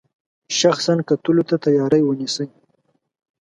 شخصا کتلو ته تیاری ونیسي.